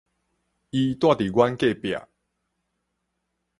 伊蹛佇阮隔壁